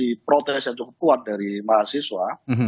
kontroversi protesan yang cukup kuat dari mahasiswa